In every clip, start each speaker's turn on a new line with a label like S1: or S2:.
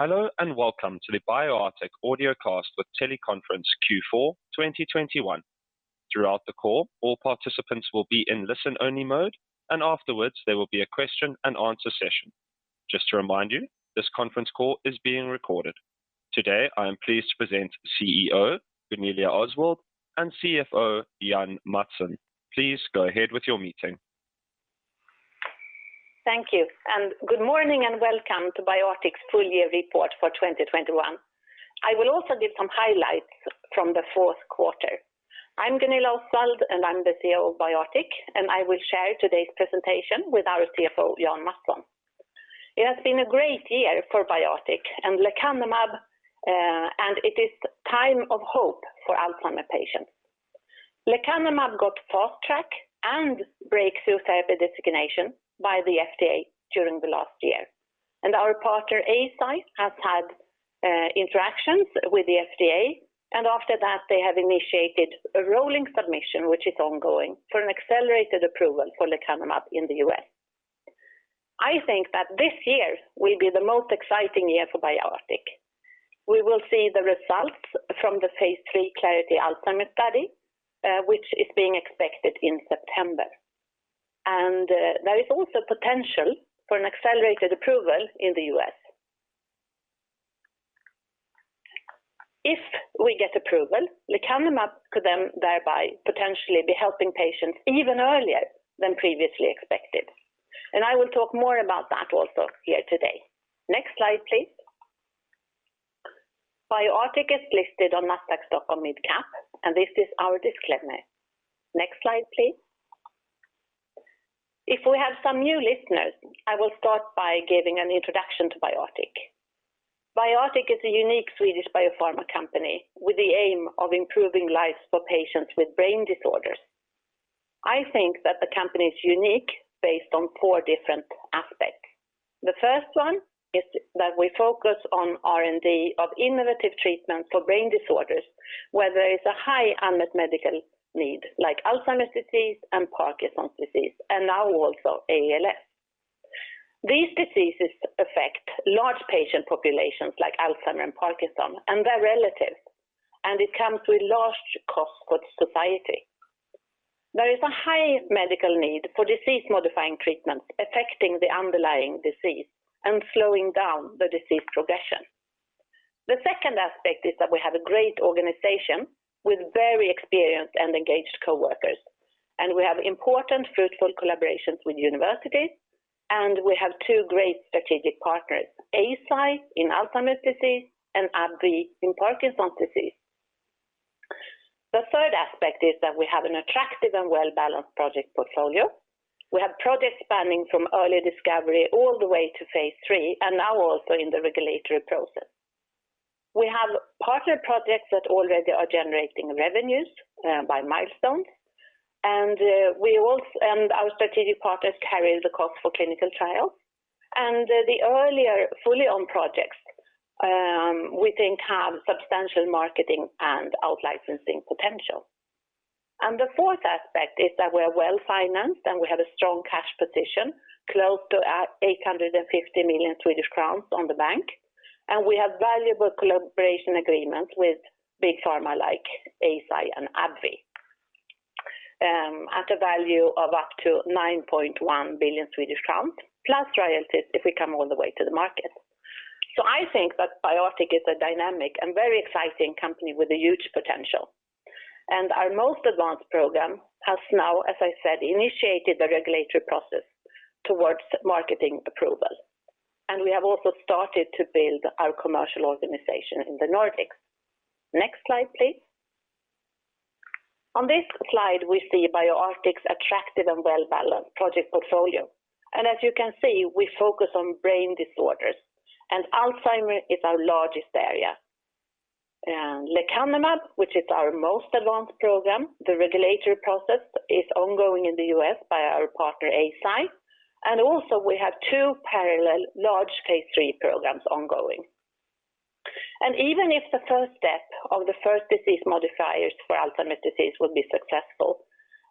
S1: Hello and welcome to the BioArctic audio cast with teleconference Q4 2021. Throughout the call, all participants will be in listen only mode, and afterwards there will be a question and answer session. Just to remind you, this conference call is being recorded. Today, I am pleased to present CEO Gunilla Osswald and CFO Jan Mattsson. Please go ahead with your meeting.
S2: Thank you. Good morning, and welcome to BioArctic's full year report for 2021. I will also give some highlights from the Q4. I'm Gunilla Osswald, and I'm the CEO of BioArctic, and I will share today's presentation with our CFO, Jan Mattsson. It has been a great year for BioArctic and lecanemab, and it is a time of hope for Alzheimer's patients. Lecanemab got fast track and breakthrough therapy designation by the FDA during the last year. Our partner, Eisai, has had interactions with the FDA, and after that they have initiated a rolling submission, which is ongoing for an accelerated approval for lecanemab in the U.S. I think that this year will be the most exciting year for BioArctic. We will see the results from the phase III Clarity AD study, which is being expected in September. There is also potential for an accelerated approval in the U.S. If we get approval, lecanemab could then thereby potentially be helping patients even earlier than previously expected. I will talk more about that also here today. Next slide, please. BioArctic is listed on Nasdaq Stockholm Mid Cap, and this is our disclaimer. Next slide, please. If we have some new listeners, I will start by giving an introduction to BioArctic. BioArctic is a unique Swedish biopharma company with the aim of improving lives for patients with brain disorders. I think that the company is unique based on four different aspects. The first one is that we focus on R&D of innovative treatments for brain disorders, where there is a high unmet medical need like Alzheimer's disease and Parkinson's disease, and now also ALS. These diseases affect large patient populations like Alzheimer's and Parkinson's and their relatives, and it comes with large cost for society. There is a high medical need for disease modifying treatment affecting the underlying disease and slowing down the disease progression. The second aspect is that we have a great organization with very experienced and engaged coworkers, and we have important fruitful collaborations with universities, and we have two great strategic partners, Eisai in Alzheimer's disease and AbbVie in Parkinson's disease. The third aspect is that we have an attractive and well-balanced project portfolio. We have projects spanning from early discovery all the way to phase III and now also in the regulatory process. We have partner projects that already are generating revenues by milestones. Our strategic partners carry the cost for clinical trials. The earlier fully owned projects, we think have substantial marketing and out-licensing potential. The fourth aspect is that we're well-financed, and we have a strong cash position, close to 850 million Swedish crowns in the bank. We have valuable collaboration agreements with big pharma like Eisai and AbbVie, at a value of up to 9.1 billion Swedish crowns plus royalties if we come all the way to the market. I think that BioArctic is a dynamic and very exciting company with huge potential. Our most advanced program has now, as I said, initiated the regulatory process towards marketing approval. We have also started to build our commercial organization in the Nordics. Next slide, please. On this slide, we see BioArctic's attractive and well-balanced project portfolio. As you can see, we focus on brain disorders, and Alzheimer's is our largest area. Lecanemab, which is our most advanced program, the regulatory process is ongoing in the U.S. by our partner, Eisai. Also we have two parallel large phase III programs ongoing. Even if the first step of the first disease modifiers for Alzheimer's disease will be successful,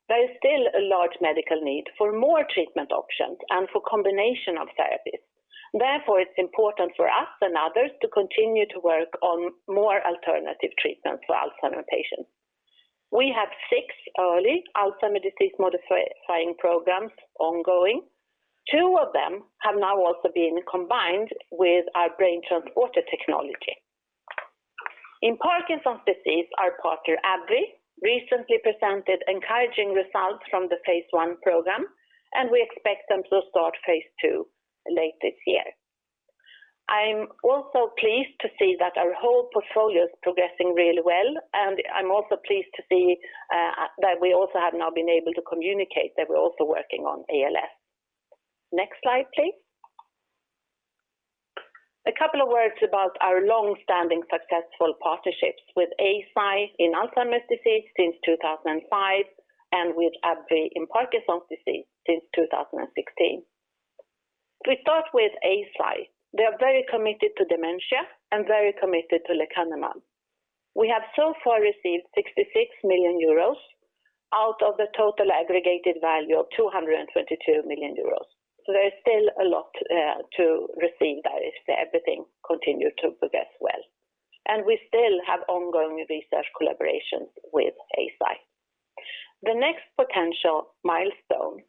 S2: there is still a large medical need for more treatment options and for combination of therapies. Therefore, it's important for us and others to continue to work on more alternative treatments for Alzheimer patients. We have six early Alzheimer disease modifying programs ongoing. Two of them have now also been combined with our BrainTransporter technology. In Parkinson's disease, our partner, AbbVie, recently presented encouraging results from the phase I program, and we expect them to start phase II late this year. I'm also pleased to see that our whole portfolio is progressing really well, and I'm also pleased to see that we also have now been able to communicate that we're also working on ALS. Next slide, please. A couple of words about our long-standing successful partnerships with Eisai in Alzheimer's disease since 2005 and with AbbVie in Parkinson's disease since 2016. We start with Eisai. They are very committed to dementia and very committed to lecanemab. We have so far received 66 million euros out of the total aggregated value of 222 million euros. There is still a lot to receive that if everything continued to progress well, and we still have ongoing research collaborations with Eisai. The next potential milestone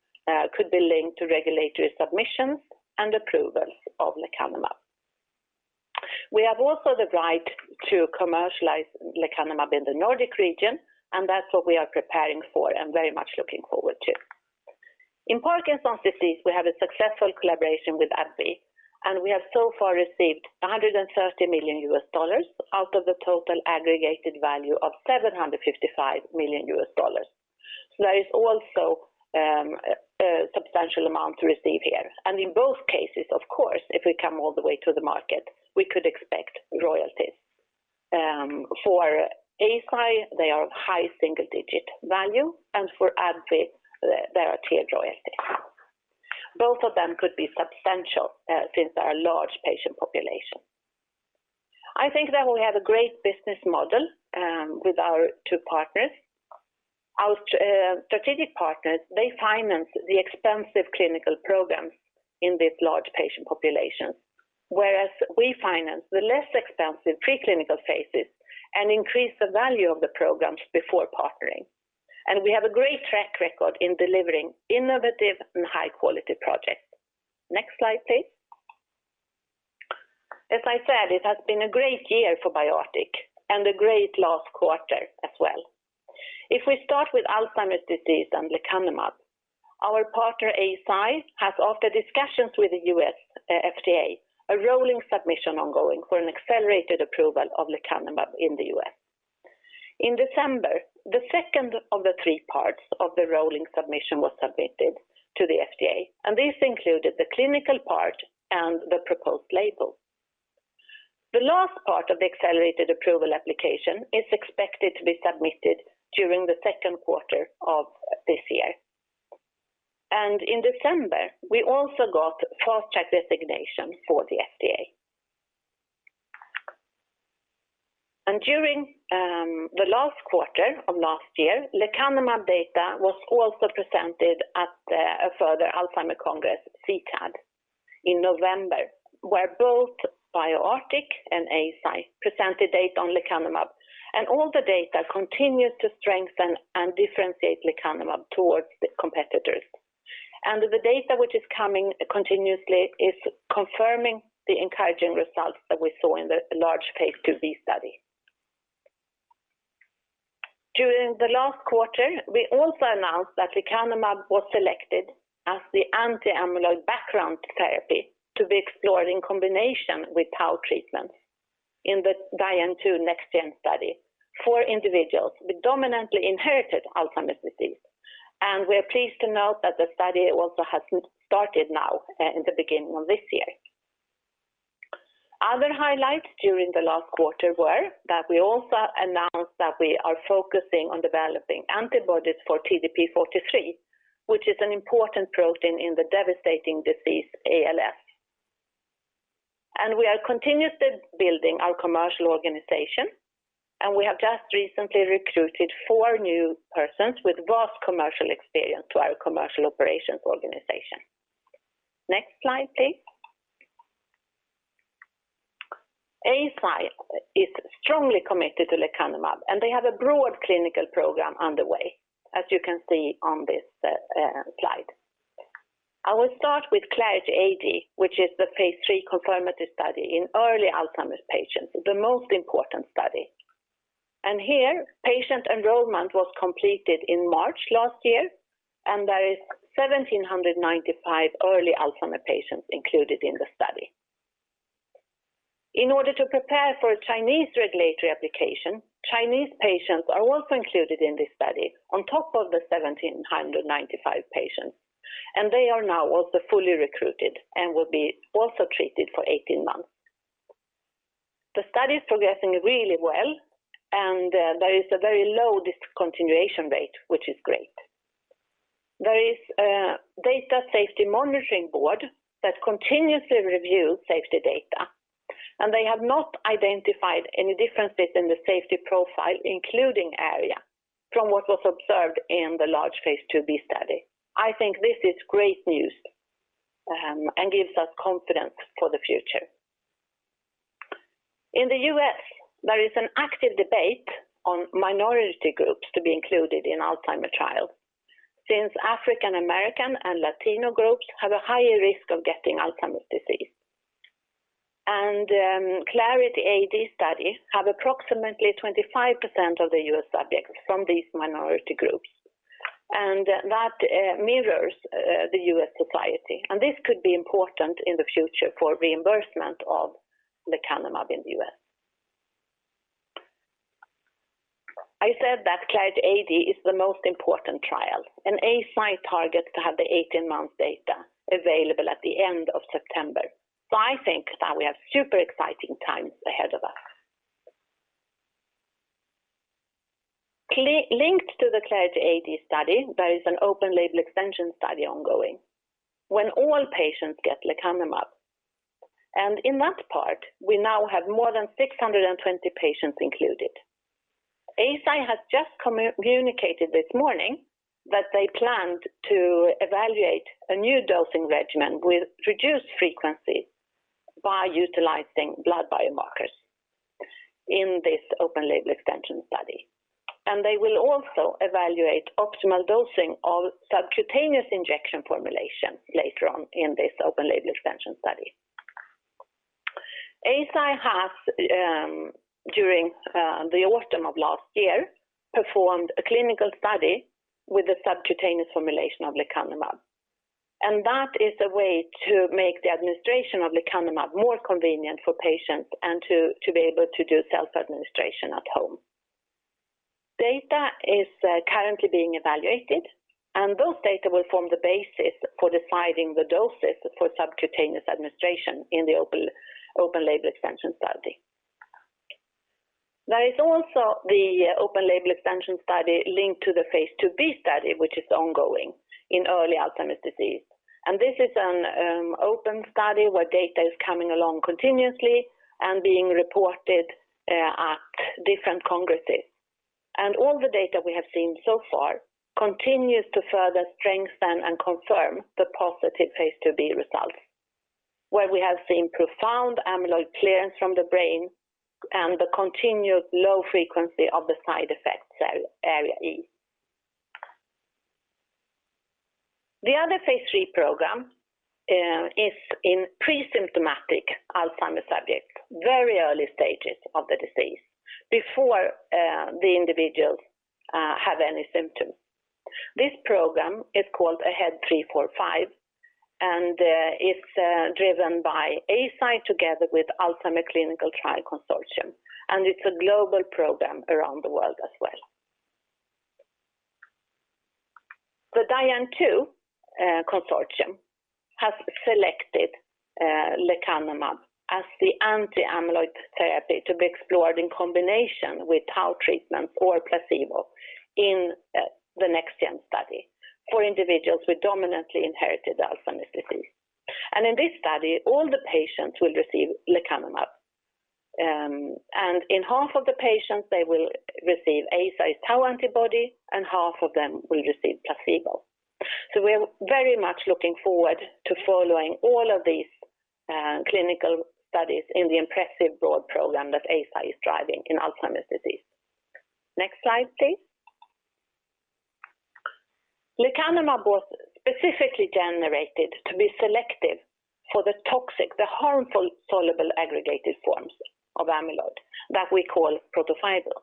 S2: could be linked to regulatory submissions and approvals of lecanemab. We have also the right to commercialize lecanemab in the Nordic region, and that's what we are preparing for and very much looking forward to. In Parkinson's disease, we have a successful collaboration with AbbVie, and we have so far received $130 million out of the total aggregated value of $755 million. There is also a substantial amount to receive here. In both cases, of course, if we come all the way to the market, we could expect royalties. For Eisai, they are high single-digit value, and for AbbVie, they are tiered royalties. Both of them could be substantial, since there are large patient population. I think that we have a great business model with our two partners. Our strategic partners, they finance the expensive clinical programs in these large patient populations, whereas we finance the less expensive preclinical phases and increase the value of the programs before partnering. We have a great track record in delivering innovative and high-quality projects. Next slide, please. As I said, it has been a great year for BioArctic and a great last quarter as well. If we start with Alzheimer's disease and lecanemab, our partner, Eisai, has, after discussions with the U.S. FDA, a rolling submission ongoing for an accelerated approval of lecanemab in the U.S. In December, the second of the three parts of the rolling submission was submitted to the FDA, and this included the clinical part and the proposed label. The last part of the accelerated approval application is expected to be submitted during the Q2 of this year. In December, we also got Fast Track designation for the FDA. During the last quarter of last year, lecanemab data was also presented at a further Alzheimer Congress, CTAD, in November, where both BioArctic and Eisai presented data on lecanemab. All the data continues to strengthen and differentiate lecanemab towards the competitors. The data which is coming continuously is confirming the encouraging results that we saw in the large phase II-B study. During the last quarter, we also announced that lecanemab was selected as the anti-amyloid background therapy to be explored in combination with tau treatments in the DIAN-TU Tau NexGen study for individuals with dominantly inherited Alzheimer's disease. We are pleased to note that the study also has started now in the beginning of this year. Other highlights during the last quarter were that we also announced that we are focusing on developing antibodies for TDP-43, which is an important protein in the devastating disease ALS. We are continuously building our commercial organization, and we have just recently recruited four new persons with vast commercial experience to our commercial operations organization. Next slide, please. Eisai is strongly committed to lecanemab, and they have a broad clinical program underway, as you can see on this slide. I will start with Clarity AD, which is the phase III confirmatory study in early Alzheimer's patients, the most important study. Here, patient enrollment was completed in March last year, and there is 1,795 early Alzheimer's patients included in the study. In order to prepare for a Chinese regulatory application, Chinese patients are also included in this study on top of the 1,795 patients, and they are now also fully recruited and will be also treated for 18 months. The study is progressing really well, and there is a very low discontinuation rate, which is great. There is a data safety monitoring board that continuously reviews safety data, and they have not identified any differences in the safety profile, including ARIA from what was observed in the large phase II-B study. I think this is great news, and gives us confidence for the future. In the U.S., there is an active debate on minority groups to be included in Alzheimer's trials since African American and Latino groups have a higher risk of getting Alzheimer's disease. Clarity AD study have approximately 25% of the U.S. subjects from these minority groups, and that mirrors the U.S. society, and this could be important in the future for reimbursement of lecanemab in the U.S. I said that Clarity AD is the most important trial, and Eisai targets to have the 18-month data available at the end of September. I think that we have super exciting times ahead of us. Linked to the Clarity AD study, there is an open label extension study ongoing when all patients get lecanemab. In that part, we now have more than 620 patients included. Eisai has just communicated this morning that they planned to evaluate a new dosing regimen with reduced frequency by utilizing blood biomarkers in this open label extension study. They will also evaluate optimal dosing of subcutaneous injection formulation later on in this open label extension study. Eisai has during the autumn of last year performed a clinical study with the subcutaneous formulation of lecanemab. That is a way to make the administration of lecanemab more convenient for patients and to be able to do self-administration at home. Data is currently being evaluated, and those data will form the basis for deciding the doses for subcutaneous administration in the open label extension study. There is also the open label extension study linked to the phase II-B study, which is ongoing in early Alzheimer's disease. This is an open study where data is coming along continuously and being reported at different congresses. All the data we have seen so far continues to further strengthen and confirm the positive phase II-B results, where we have seen profound amyloid clearance from the brain and the continued low frequency of the side effects ARIA-E. The other phase III program is in pre-symptomatic Alzheimer's subjects, very early stages of the disease before the individuals have any symptoms. This program is called AHEAD 3-45, and it's driven by Eisai together with Alzheimer's Clinical Trials Consortium, and it's a global program around the world as well. The DIAN-TU Consortium has selected lecanemab as the anti-amyloid therapy to be explored in combination with tau treatment or placebo in the Tau NexGen study for individuals with dominantly inherited Alzheimer's disease. In this study, all the patients will receive lecanemab. In half of the patients, they will receive Eisai's tau antibody, and half of them will receive placebo. We're very much looking forward to following all of these, clinical studies in the impressive broad program that Eisai is driving in Alzheimer's disease. Next slide, please. Lecanemab was specifically generated to be selective for the toxic, the harmful soluble aggregated forms of amyloid that we call protofibril.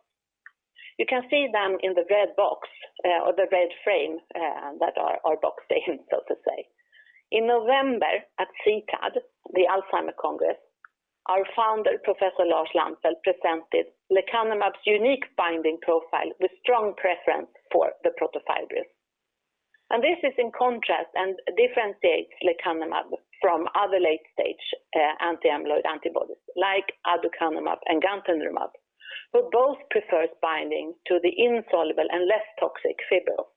S2: You can see them in the red box or the red frame, that are boxed in, so to say. In November at CTAD, the Alzheimer's Congress, our founder, Professor Lars Lannfelt, presented lecanemab's unique binding profile with strong preference for the protofibrils. This is in contrast and differentiates lecanemab from other late-stage, anti-amyloid antibodies like aducanumab and gantenerumab, who both prefers binding to the insoluble and less toxic fibril.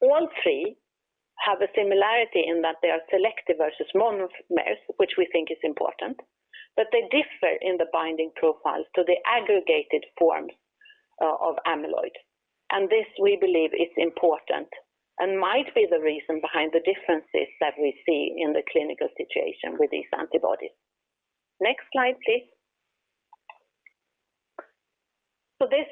S2: All three have a similarity in that they are selective versus monomers, which we think is important, but they differ in the binding profiles to the aggregated forms of amyloid. This we believe is important and might be the reason behind the differences that we see in the clinical situation with these antibodies. Next slide, please. This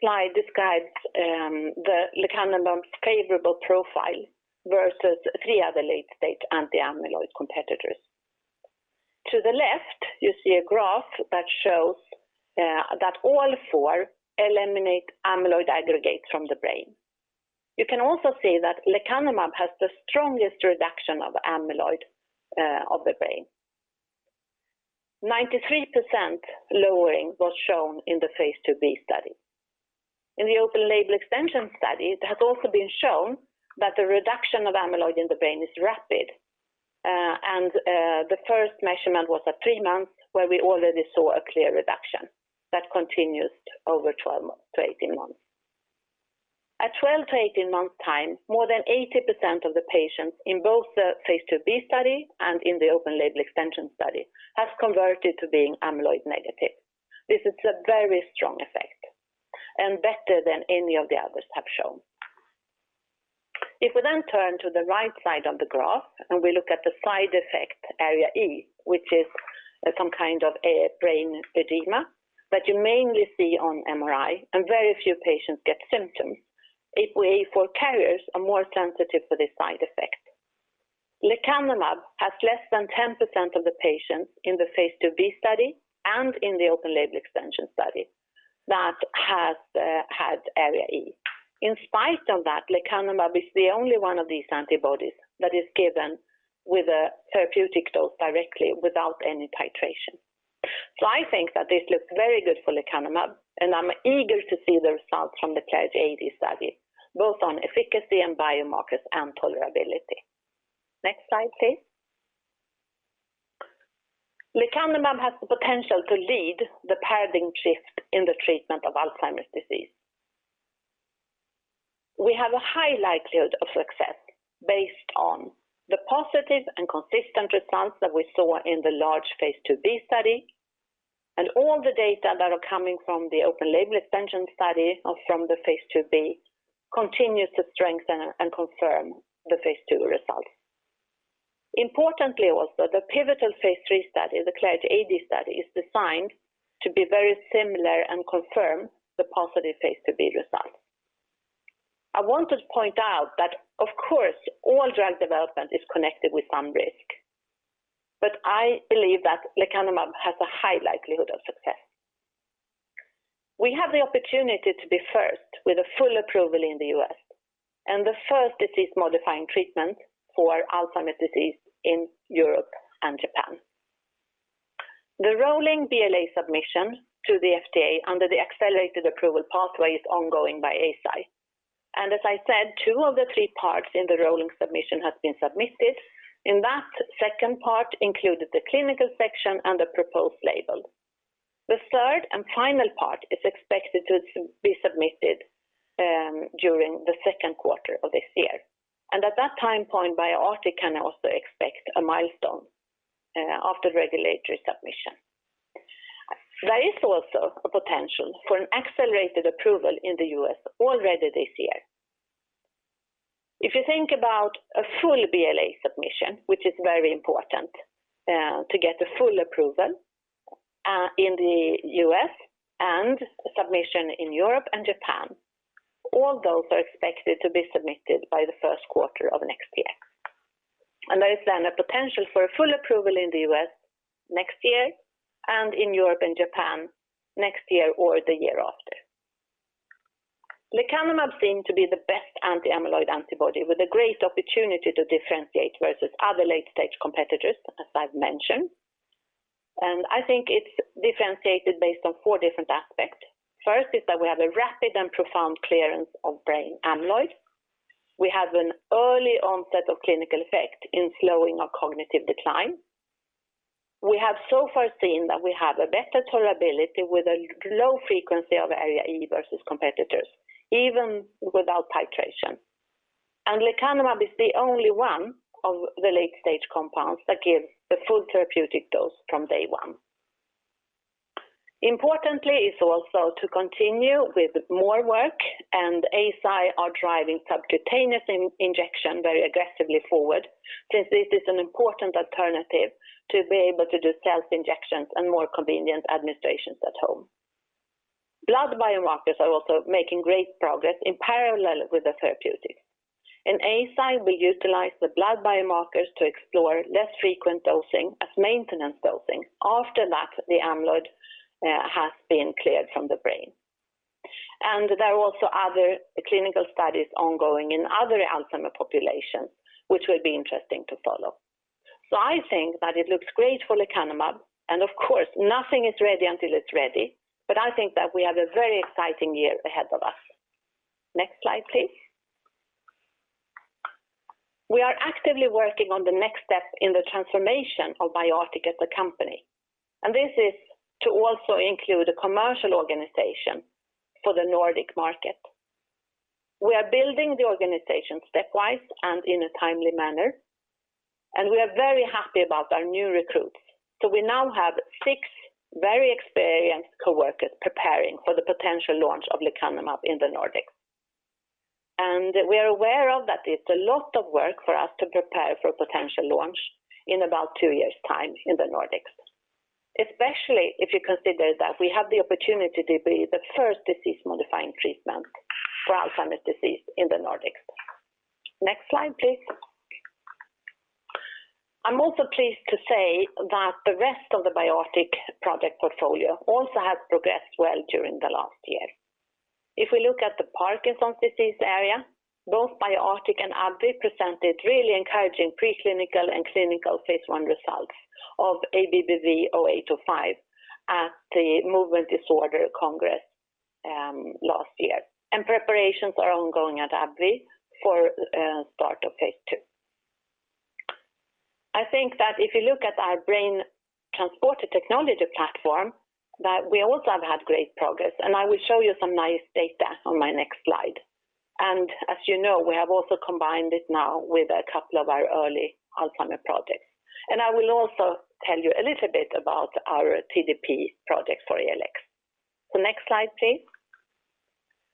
S2: slide describes the lecanemab's favorable profile versus three other late-stage anti-amyloid competitors. To the left, you see a graph that shows that all four eliminate amyloid aggregates from the brain. You can also see that lecanemab has the strongest reduction of amyloid of the brain. 93% lowering was shown in the phase II-B study. In the open label extension study, it has also been shown that the reduction of amyloid in the brain is rapid. The first measurement was at three months, where we already saw a clear reduction that continued over 12-18 months. At 12-18 months time, more than 80% of the patients in both the phase II-B study and in the open label extension study has converted to being amyloid negative. This is a very strong effect and better than any of the others have shown. If we then turn to the right side of the graph and we look at the side effect ARIA-E, which is some kind of a brain edema that you mainly see on MRI, and very few patients get symptoms. APOE4 carriers are more sensitive to this side effect. Lecanemab has less than 10% of the patients in the phase II-B study and in the open label extension study that has had ARIA-E. In spite of that, lecanemab is the only one of these antibodies that is given with a therapeutic dose directly without any titration. I think that this looks very good for lecanemab, and I'm eager to see the results from the Clarity AD study, both on efficacy and biomarkers and tolerability. Next slide, please. Lecanemab has the potential to lead the paradigm shift in the treatment of Alzheimer's disease. We have a high likelihood of success based on the positive and consistent response that we saw in the large phase II-B study, and all the data that are coming from the open label extension study or from the phase II-B continues to strengthen and confirm the phase II result. Importantly also, the pivotal phase III study, the Clarity AD study, is designed to be very similar and confirm the positive phase II-B result. I want to point out that, of course, all drug development is connected with some risk. I believe that lecanemab has a high likelihood of success. We have the opportunity to be first with a full approval in the U.S., and the first disease modifying treatment for Alzheimer's disease in Europe and Japan. The rolling BLA submission to the FDA under the accelerated approval pathway is ongoing by Eisai. As I said, two of the three parts in the rolling submission has been submitted. In that second part included the clinical section and the proposed label. The third and final part is expected to be submitted during the Q2 of this year. At that time point, BioArctic can also expect a milestone of the regulatory submission. There is also a potential for an accelerated approval in the U.S. already this year. If you think about a full BLA submission, which is very important, to get a full approval, in the U.S. and submission in Europe and Japan, all those are expected to be submitted by the Q1 of next year. There is then a potential for a full approval in the U.S. next year, and in Europe and Japan next year or the year after. Lecanemab seems to be the best anti-amyloid antibody with a great opportunity to differentiate versus other late stage competitors, as I've mentioned. I think it's differentiated based on four different aspects. First is that we have a rapid and profound clearance of brain amyloid. We have an early onset of clinical effect in slowing of cognitive decline. We have so far seen that we have a better tolerability with a low frequency of ARIA-E versus competitors, even without titration. lecanemab is the only one of the late stage compounds that give the full therapeutic dose from day one. Importantly is also to continue with more work, and Eisai are driving subcutaneous injection very aggressively forward since this is an important alternative to be able to do self-injections and more convenient administrations at home. Blood biomarkers are also making great progress in parallel with the therapeutic. In Eisai, we utilize the blood biomarkers to explore less frequent dosing as maintenance dosing after that the amyloid has been cleared from the brain. There are also other clinical studies ongoing in other Alzheimer's populations, which will be interesting to follow. I think that it looks great for lecanemab, and of course, nothing is ready until it's ready, but I think that we have a very exciting year ahead of us. Next slide, please. We are actively working on the next step in the transformation of BioArctic as a company. This is to also include a commercial organization for the Nordic market. We are building the organization stepwise and in a timely manner. We are very happy about our new recruits. We now have six very experienced coworkers preparing for the potential launch of lecanemab in the Nordics. We are aware of that it's a lot of work for us to prepare for a potential launch in about two years' time in the Nordics. Especially if you consider that we have the opportunity to be the first disease modifying treatment for Alzheimer's disease in the Nordics. Next slide, please. I'm also pleased to say that the rest of the BioArctic project portfolio also has progressed well during the last year. If we look at the Parkinson's disease area, both BioArctic and AbbVie presented really encouraging preclinical and clinical phase I results of ABBV-0805 at the Movement Disorders Congress last year. Preparations are ongoing at AbbVie for start of phase II. I think that if you look at our BrainTransporter technology platform, that we also have had great progress, and I will show you some nice data on my next slide. As you know, we have also combined it now with a couple of our early Alzheimer's projects. I will also tell you a little bit about our TDP project for ALS. Next slide, please.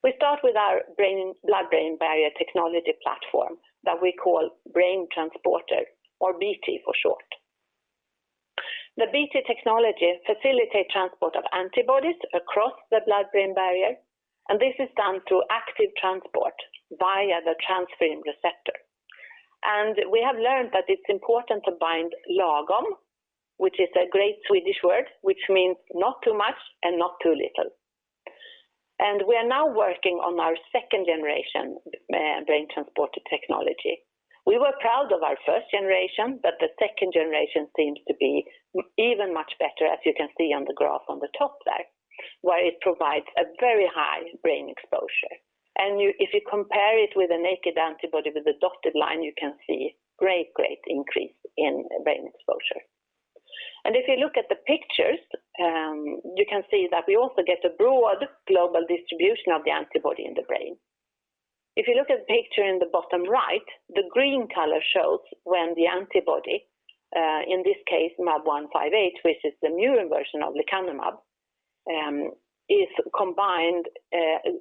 S2: We start with our blood-brain barrier technology platform that we call BrainTransporter or BT for short. The BT technology facilitate transport of antibodies across the blood-brain barrier, and this is done through active transport via the transferrin receptor. We have learned that it's important to bind lagom, which is a great Swedish word, which means not too much and not too little. We are now working on our second generation BrainTransporter technology. We were proud of our first generation, but the second generation seems to be even much better, as you can see on the graph on the top there, where it provides a very high brain exposure. You, if you compare it with a naked antibody with the dotted line, you can see great increase in brain exposure. If you look at the pictures, you can see that we also get a broad global distribution of the antibody in the brain. If you look at the picture in the bottom right, the green color shows when the antibody, in this case, mAb158, which is the murine version of lecanemab, is combined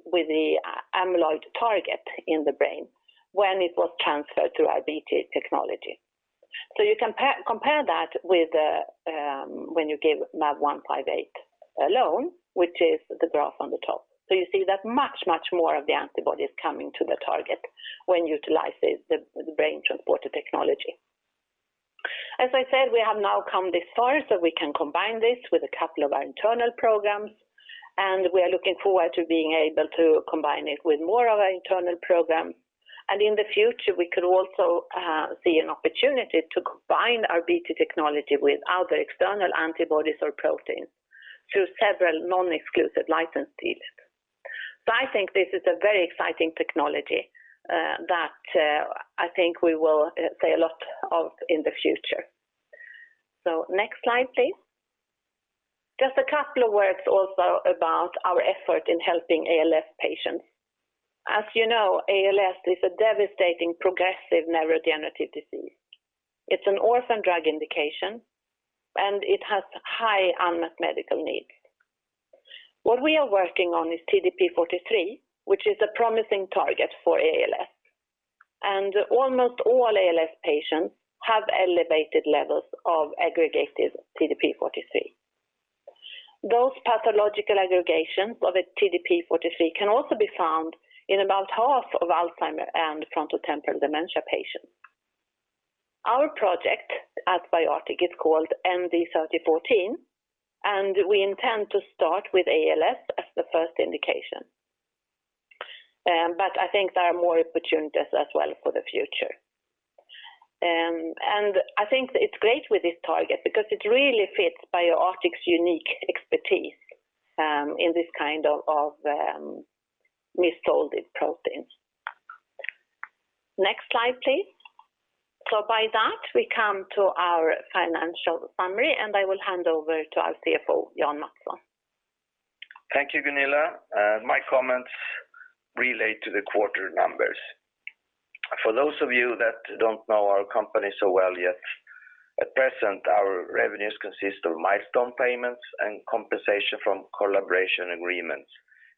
S2: with the amyloid target in the brain when it was transferred through our BT technology. You compare that with when you give mAb158 alone, which is the graph on the top. You see that much more of the antibody is coming to the target when utilizes the BrainTransporter technology. As I said, we have now come this far, so we can combine this with a couple of our internal programs, and we are looking forward to being able to combine it with more of our internal programs. In the future, we could also see an opportunity to combine our BT technology with other external antibodies or proteins through several non-exclusive license deals. I think this is a very exciting technology that I think we will see a lot of in the future. Next slide, please. Just a couple of words also about our effort in helping ALS patients. As you know, ALS is a devastating progressive neurodegenerative disease. It's an orphan drug indication, and it has high unmet medical needs. What we are working on is TDP-43, which is a promising target for ALS. Almost all ALS patients have elevated levels of aggregated TDP-43. Those pathological aggregations of a TDP-43 can also be found in about half of Alzheimer's and frontotemporal dementia patients. Our project at BioArctic is called ND3014, and we intend to start with ALS as the first indication. I think there are more opportunities as well for the future. I think it's great with this target because it really fits BioArctic's unique expertise in this kind of misfolded proteins. Next slide, please. By that, we come to our financial summary, and I will hand over to our CFO, Jan Mattsson.
S3: Thank you, Gunilla. My comments relate to the quarter numbers. For those of you that don't know our company so well yet, at present, our revenues consist of milestone payments and compensation from collaboration agreements,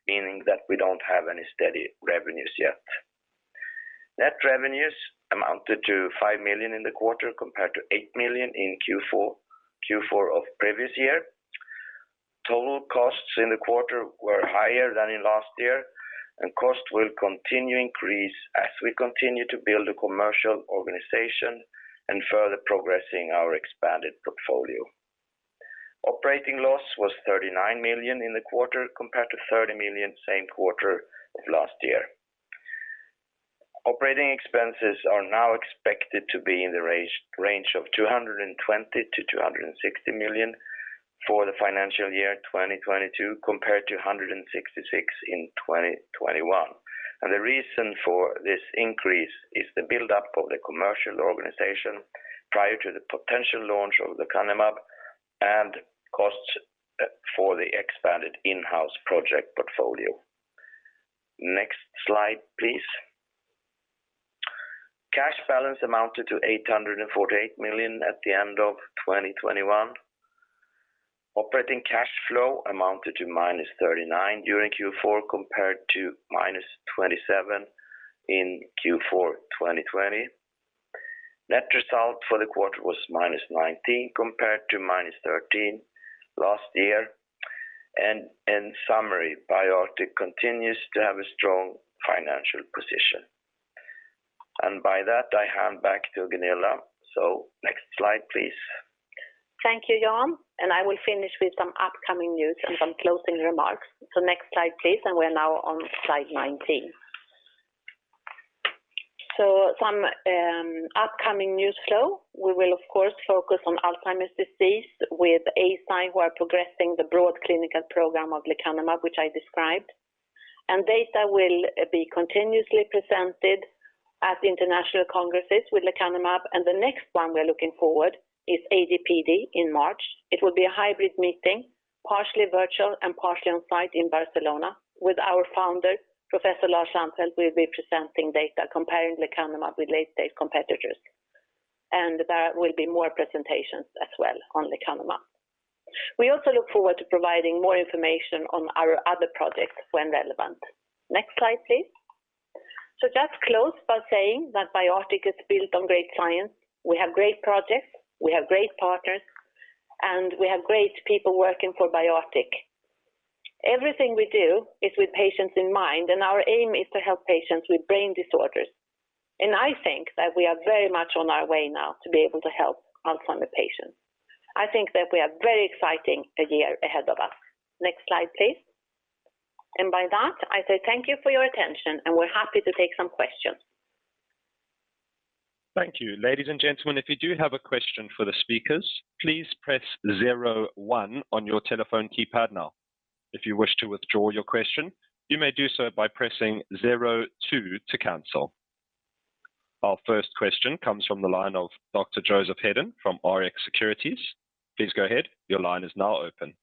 S3: meaning that we don't have any steady revenues yet. Net revenues amounted to 5 million in the quarter, compared to 8 million in Q4 of previous year. Total costs in the quarter were higher than in last year, and costs will continue increase as we continue to build a commercial organization and further progressing our expanded portfolio. Operating loss was 39 million in the quarter, compared to 30 million same quarter of last year. Operating expenses are now expected to be in the range of 220 million-260 million for the FY 2022, compared to 166 in 2021. The reason for this increase is the buildup of the commercial organization prior to the potential launch of lecanemab and costs for the expanded in-house project portfolio. Next slide, please. Cash balance amounted to 848 million at the end of 2021. Operating cash flow amounted to -39 during Q4, compared to -27 in Q4 2020. Net result for the quarter was -19, compared to -13 last year. In summary, BioArctic continues to have a strong financial position. By that, I hand back to Gunilla. Next slide, please.
S2: Thank you, Jan. I will finish with some upcoming news and some closing remarks. Next slide, please. We're now on slide 19. Some upcoming news flow. We will of course focus on Alzheimer's disease with Eisai, who are progressing the broad clinical program of lecanemab, which I described. Data will be continuously presented at international congresses with lecanemab, and the next one we're looking forward is ADPD in March. It will be a hybrid meeting, partially virtual and partially on-site in Barcelona. With our founder, Professor Lars Lannfelt, we'll be presenting data comparing lecanemab with late-stage competitors. There will be more presentations as well on lecanemab. We also look forward to providing more information on our other projects when relevant. Next slide, please. Just close by saying that BioArctic is built on great science. We have great projects, we have great partners, and we have great people working for BioArctic. Everything we do is with patients in mind, and our aim is to help patients with brain disorders. I think that we are very much on our way now to be able to help Alzheimer's patients. I think that we have very exciting a year ahead of us. Next slide, please. By that, I say thank you for your attention, and we're happy to take some questions.
S1: Thank you. Ladies and gentlemen, if you do have a question for the speakers, please press zero one on your telephone keypad now. If you wish to withdraw your question, you may do so by pressing zero two to cancel. Our first question comes from the line of Dr. Joseph Hedden from Rx Securities. Please go ahead. Your line is now open.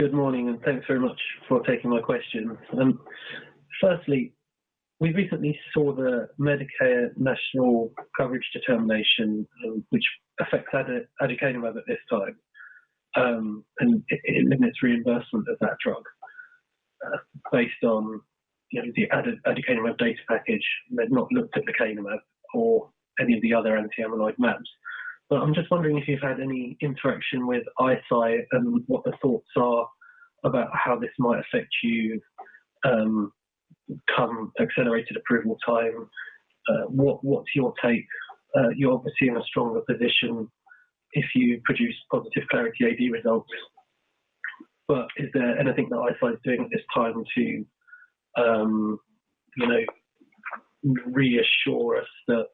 S4: Good morning, and thanks very much for taking my question. Firstly, we recently saw the Medicare National Coverage Determination, which affects aducanumab at this time, and it limits reimbursement of that drug based on, you know, the aducanumab data package. They've not looked at the lecanemab or any of the other anti-amyloid mAbs. I'm just wondering if you've had any interaction with Eisai and what the thoughts are about how this might affect you come accelerated approval time. What's your take? You're obviously in a stronger position if you produce positive Clarity AD results. Is there anything that Eisai is doing at this time to, you know, reassure us that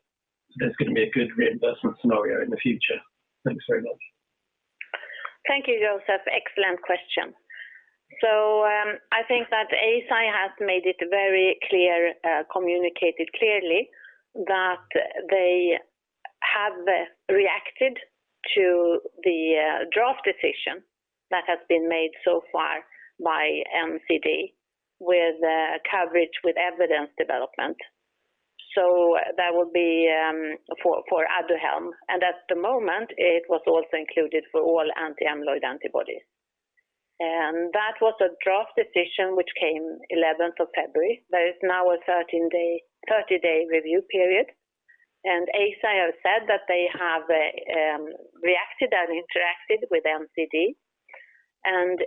S4: there's gonna be a good reimbursement scenario in the future? Thanks very much.
S2: Thank you, Joseph. Excellent question. I think that Eisai has made it very clear, communicated clearly that they have reacted to the draft decision that has been made so far by NCD with coverage with evidence development. That would be for Aduhelm. At the moment, it was also included for all anti-amyloid antibodies. That was a draft decision which came February 11. There is now a thirty-day review period. Eisai have said that they have reacted and interacted with NCD.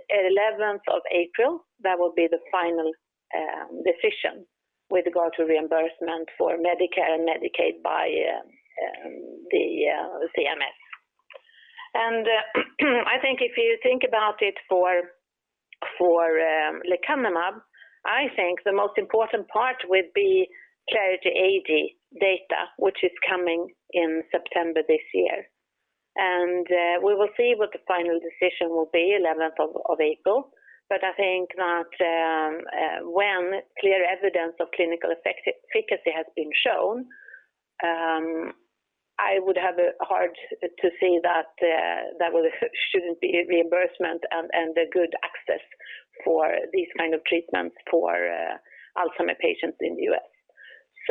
S2: April 11, that will be the final decision with regard to reimbursement for Medicare and Medicaid by the CMS. I think if you think about it for lecanemab, I think the most important part would be Clarity AD data, which is coming in September this year. We will see what the final decision will be April 11. I think that when clear evidence of clinical efficacy has been shown, I would have a hard time saying that that shouldn't be a reimbursement and a good access for these kind of treatments for Alzheimer patients in the U.S.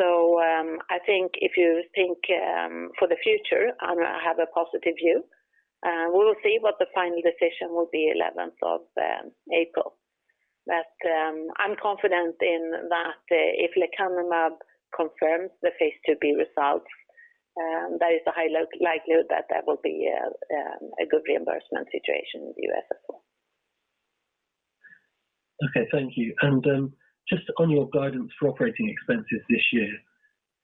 S2: I think for the future, I have a positive view. We will see what the final decision will be April 11. I'm confident in that if lecanemab confirms the phase II-B results, there is a high likelihood that that will be a good reimbursement situation in the U.S. as well.
S4: Okay. Thank you. Just on your guidance for operating expenses this year,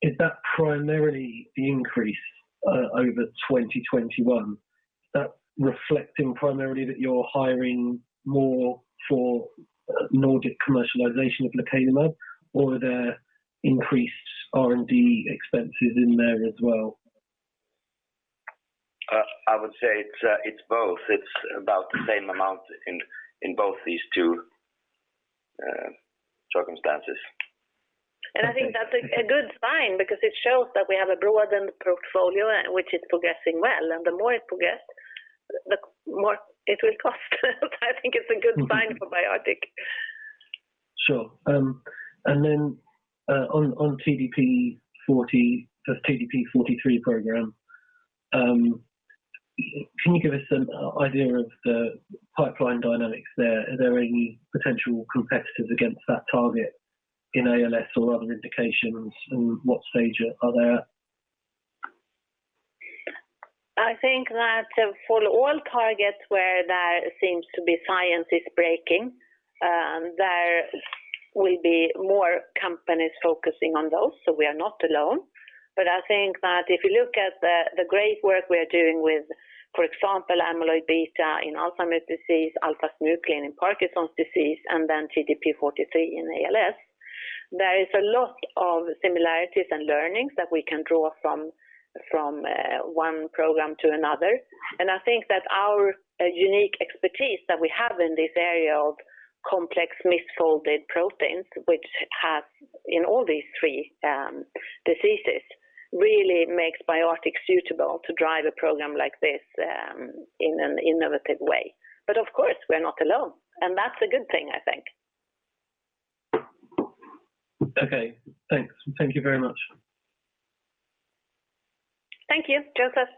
S4: is that primarily the increase over 2021, is that reflecting primarily that you're hiring more for Nordic commercialization of lecanemab or are there increased R&D expenses in there as well?
S3: I would say it's both. It's about the same amount in both these two circumstances.
S2: I think that's a good sign because it shows that we have a broadened portfolio, which is progressing well. The more it progress, the more it will cost. I think it's a good sign for BioArctic.
S4: Sure. On TDP-43 program, can you give us an idea of the pipeline dynamics there? Are there any potential competitors against that target in ALS or other indications? What stage are they at?
S2: I think that for all targets where there seems to be science is breaking, there will be more companies focusing on those. We are not alone. I think that if you look at the great work we are doing with, for example, amyloid beta in Alzheimer's disease, alpha-synuclein in Parkinson's disease, and then TDP-43 in ALS, there is a lot of similarities and learnings that we can draw from one program to another. I think that our unique expertise that we have in this area of complex misfolded proteins, which has in all these three diseases, really makes BioArctic suitable to drive a program like this in an innovative way. Of course, we're not alone, and that's a good thing, I think.
S4: Okay. Thanks. Thank you very much.
S2: Thank you, Joseph.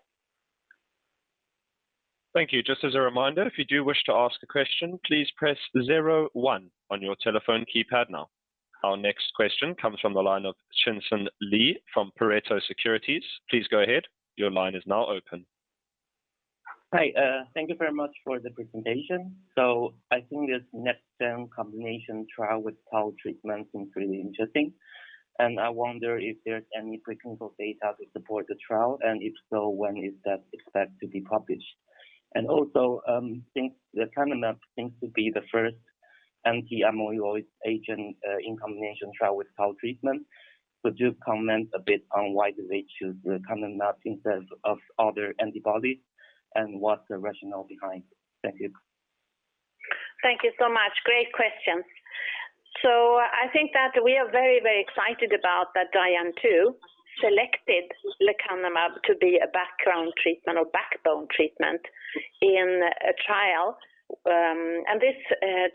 S1: Thank you. Just as a reminder, if you do wish to ask a question, please press zero one on your telephone keypad now. Our next question comes from the line of Chien-Hsun Lee from Pareto Securities. Please go ahead. Your line is now open.
S5: Hi. Thank you very much for the presentation. I think this next gen combination trial with tau treatment seems really interesting. I wonder if there's any preclinical data to support the trial, and if so, when is that expected to be published? Since lecanemab seems to be the first anti-amyloid agent in combination trial with tau treatment, could you comment a bit on why do they choose lecanemab instead of other antibodies and what's the rationale behind it? Thank you.
S2: Thank you so much. Great questions. I think that we are very, very excited about that DIAN-TU selected lecanemab to be a background treatment or backbone treatment in a trial. This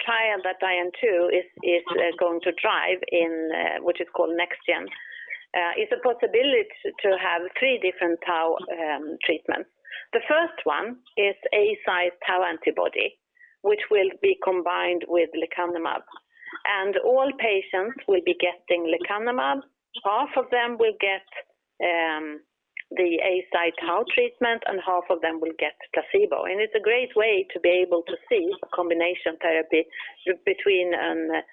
S2: trial that DIAN-TU is going to drive in, which is called NextGen, is a possibility to have three different tau treatments. The first one is Eisai's tau antibody, which will be combined with lecanemab. All patients will be getting lecanemab. Half of them will get the Eisai's tau treatment, and half of them will get placebo. It's a great way to be able to see a combination therapy between an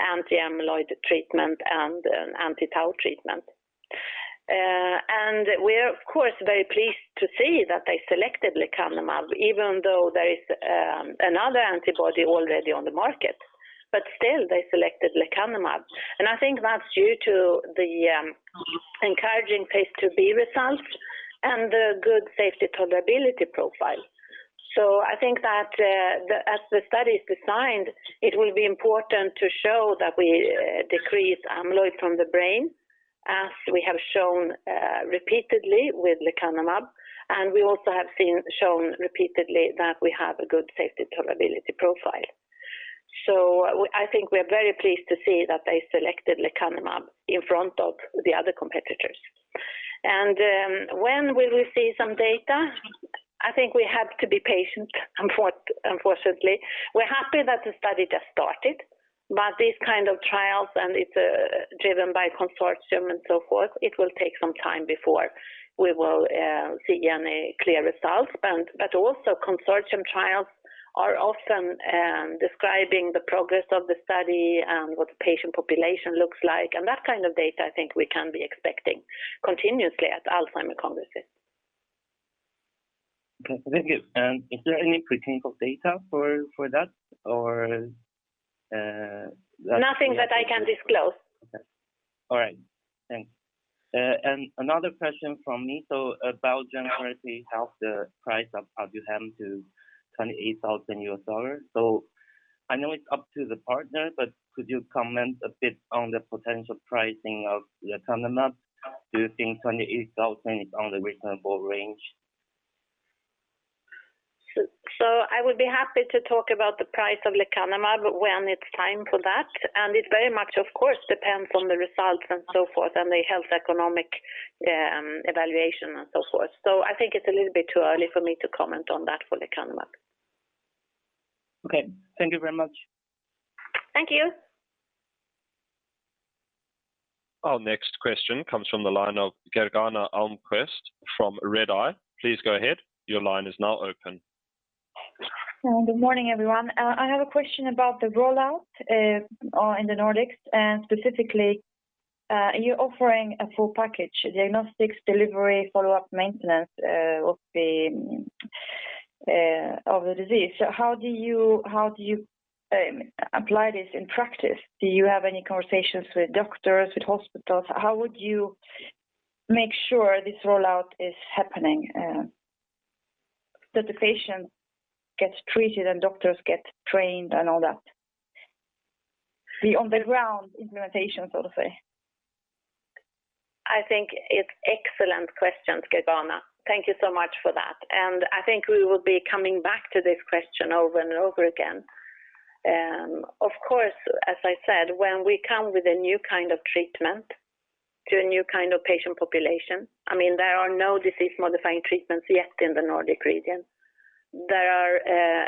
S2: anti-amyloid treatment and an anti-tau treatment. We are of course very pleased to see that they selected lecanemab even though there is another antibody already on the market, but still they selected lecanemab. I think that's due to the encouraging phase II-B results and the good safety tolerability profile. I think that as the study is designed, it will be important to show that we decrease amyloid from the brain as we have shown repeatedly with lecanemab. We also have shown repeatedly that we have a good safety tolerability profile. I think we are very pleased to see that they selected lecanemab in front of the other competitors. When will we see some data? I think we have to be patient unfortunately. We're happy that the study just started. These kind of trials, and it's driven by consortium and so forth, it will take some time before we will see any clear results. Also, consortium trials are often describing the progress of the study and what the patient population looks like. That kind of data I think we can be expecting continuously at Alzheimer's congresses.
S5: Okay. Thank you. Is there any preclinical data for that or
S2: Nothing that I can disclose.
S5: Another question from me. About Biogen, the price of Aduhelm is $28,000. I know it's up to the partner, but could you comment a bit on the potential pricing of lecanemab? Do you think $28,000 is on the reasonable range?
S2: I would be happy to talk about the price of lecanemab when it's time for that, and it very much of course depends on the results and so forth and the health economic evaluation and so forth. I think it's a little bit too early for me to comment on that for lecanemab.
S5: Okay. Thank you very much.
S2: Thank you.
S1: Our next question comes from the line of Gergana Almquist from Redeye. Please go ahead. Your line is now open.
S6: Good morning everyone. I have a question about the rollout in the Nordics and specifically, you're offering a full package, diagnostics, delivery, follow-up maintenance of the disease. How do you apply this in practice? Do you have any conversations with doctors, with hospitals? How would you make sure this rollout is happening, that the patient gets treated and doctors get trained and all that? The on-the-ground implementation, so to say.
S2: I think it's excellent questions, Gergana. Thank you so much for that. I think we will be coming back to this question over and over again. Of course, as I said, when we come with a new kind of treatment to a new kind of patient population, I mean, there are no disease modifying treatments yet in the Nordic region. There are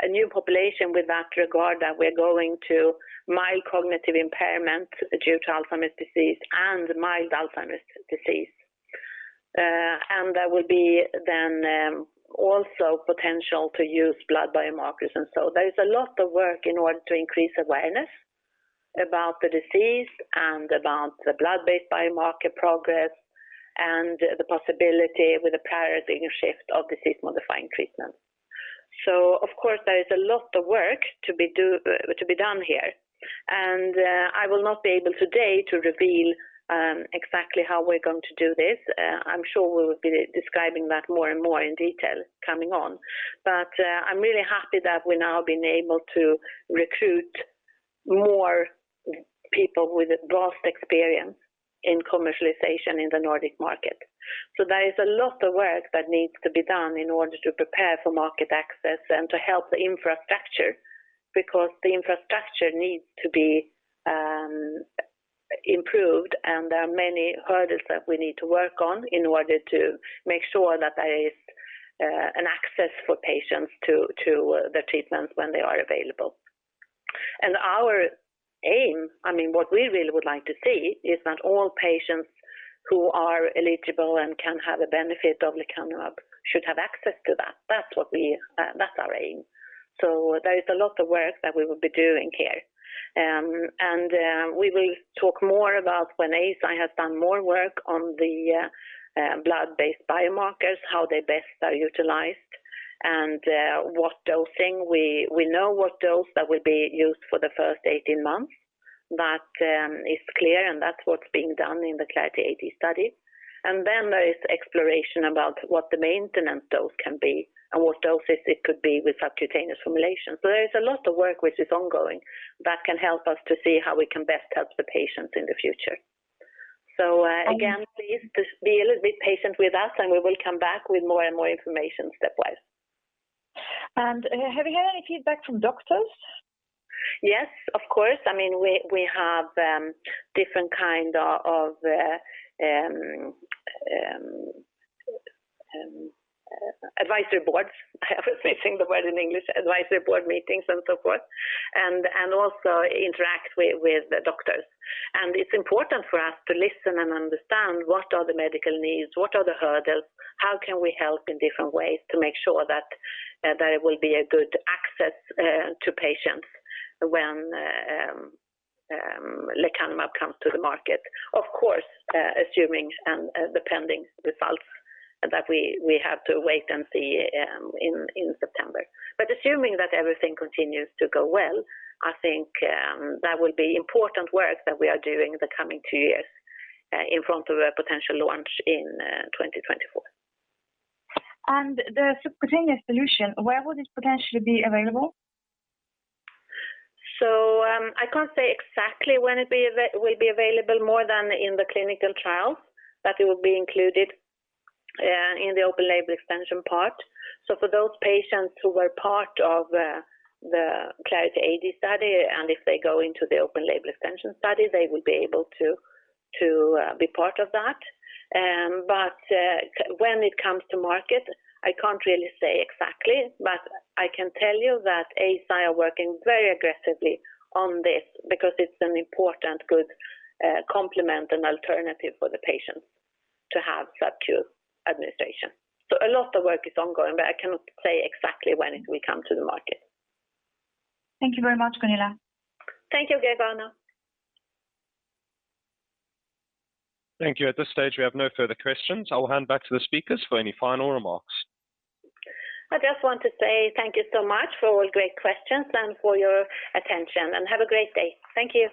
S2: a new population with that regard that we are going to mild cognitive impairment due to Alzheimer's disease and mild Alzheimer's disease. There will be then also potential to use blood biomarkers. There is a lot of work in order to increase awareness about the disease and about the blood-based biomarker progress and the possibility with a priority shift of disease modifying treatment. Of course there is a lot of work to be done here. I will not be able today to reveal exactly how we're going to do this. I'm sure we will be describing that more and more in detail coming on. I'm really happy that we've now been able to recruit more people with a vast experience in commercialization in the Nordic market. There is a lot of work that needs to be done in order to prepare for market access and to help the infrastructure because the infrastructure needs to be improved. There are many hurdles that we need to work on in order to make sure that there is an access for patients to the treatments when they are available. Our aim, I mean, what we really would like to see is that all patients who are eligible and can have a benefit of lecanemab should have access to that. That's what we, that's our aim. There is a lot of work that we will be doing here. We will talk more about when ASI has done more work on the blood-based biomarkers, how they best are utilized and what dosing. We know what dose that will be used for the first 18 months. That is clear, and that's what's being done in the Clarity AD study. Then there is exploration about what the maintenance dose can be and what doses it could be with subcutaneous formulation. There is a lot of work which is ongoing that can help us to see how we can best help the patients in the future. Again, please just be a little bit patient with us, and we will come back with more and more information stepwise.
S6: Have you had any feedback from doctors?
S2: Yes, of course. I mean, we have different kind of advisory boards. I was missing the word in English, advisory board meetings and so forth. Also interact with the doctors. It's important for us to listen and understand what are the medical needs, what are the hurdles, how can we help in different ways to make sure that there will be a good access to patients when lecanemab comes to the market. Of course, assuming and the pending results that we have to wait and see in September. Assuming that everything continues to go well, I think that will be important work that we are doing the coming two years in front of a potential launch in 2024.
S6: The subcutaneous solution, where would this potentially be available?
S2: I can't say exactly when it will be available more than in the clinical trials, but it will be included in the open label extension part. For those patients who were part of the Clarity AD study, and if they go into the open label extension study, they will be able to be part of that. When it comes to market, I can't really say exactly. I can tell you that Eisai are working very aggressively on this because it's an important good complement and alternative for the patients to have subcutaneous administration. A lot of work is ongoing, but I cannot say exactly when it will come to the market.
S6: Thank you very much, Gunilla.
S2: Thank you, Gergana.
S1: Thank you. At this stage, we have no further questions. I will hand back to the speakers for any final remarks.
S2: I just want to say thank you so much for all great questions and for your attention, and have a great day. Thank you.